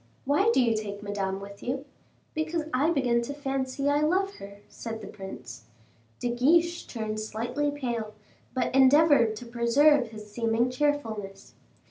Why do you take Madame with you?" "Because I begin to fancy I love her," said the prince. De Guiche turned slightly pale, but endeavored to preserve his seeming cheerfulness.